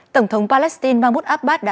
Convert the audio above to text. tổng thống palestine mahmoud abbas